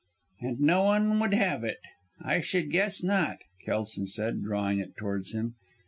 "And no one would have it? I should guess not," Kelson said, drawing it towards him.